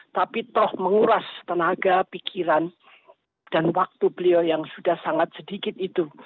tapi toh menguras tenaga pikiran dan waktu beliau yang sudah sangat sedikit itu